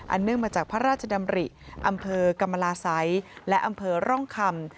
เนื่องมาจากพระราชดำริอำเภอกรรมลาศัยและอำเภอร่องคำ